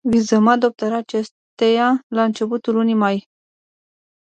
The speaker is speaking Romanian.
Vizăm adoptarea acesteia la începutul lunii mai.